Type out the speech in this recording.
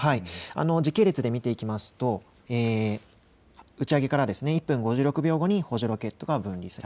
時系列で見て行くと打ち上げから１分５６秒後に補助ロケットが分離。